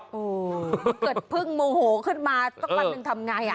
เกิดพึ่งโมโหขึ้นมาต้องการหนึ่งทำงาน